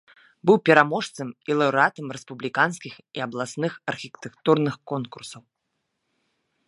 Быў пераможцам і лаўрэатам рэспубліканскіх і абласных архітэктурных конкурсаў.